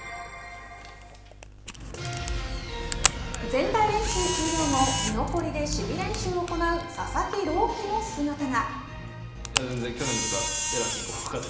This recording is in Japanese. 全体練習終了後、居残りで守備練習を行う佐々木朗希の姿が。